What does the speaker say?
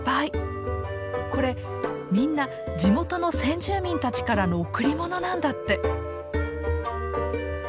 これみんな地元の先住民たちからの贈り物なんだって。